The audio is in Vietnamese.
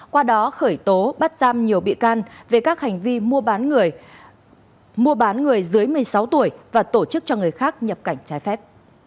qua đó khởi tố bắt giam nhiều bị can về các hành vi mua bán người mua bán người dưới một mươi sáu tuổi và tổ chức cho người khác nhập cảnh trái phép